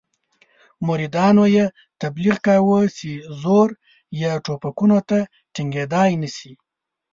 مریدانو یې تبلیغ کاوه چې زور یې ټوپکونو ته ټینګېدلای نه شي.